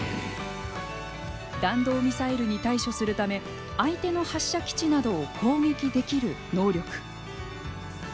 弾道ミサイルに対処するため相手の発射基地などを攻撃できる能力。